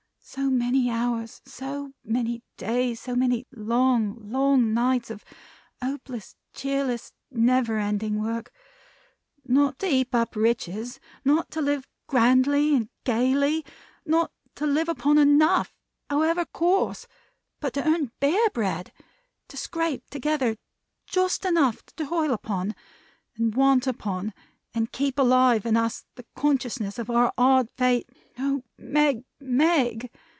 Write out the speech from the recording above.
So many hours, so many days, so many long, long nights of hopeless, cheerless, never ending work not to heap up riches, not to live grandly or gayly, not to live upon enough, however coarse; but to earn bare bread; to scrape together just enough to toil upon, and want upon, and keep alive in us the consciousness of our hard fate! Oh, Meg, Meg!"